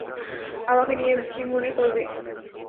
আমাকে নিয়ে কি মনে করবে?